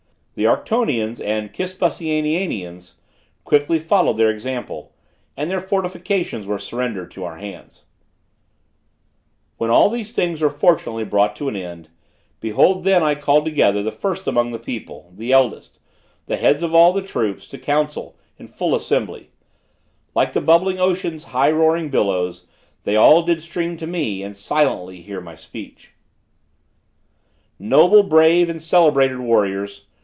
The Arctonians and Kispusiananians quickly followed their example, and their fortifications were surrendered to our hands. When all these things were fortunately brought to an end, Behold then I called together the first among the people, the eldest, The heads of all the troops, to Council, in full assembly; Like the bubbling ocean's high roaring billows They all did stream to me; and silently heard my speech: "Noble, brave and celebrated warriors.